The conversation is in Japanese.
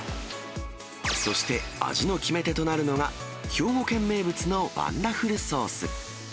そして、味の決め手となるのが兵庫県名物のワンダフルソース。